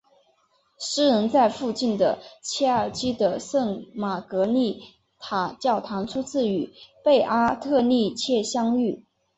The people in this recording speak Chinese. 诗人在附近的切尔基的圣玛格丽塔教堂初次与贝阿特丽切相遇。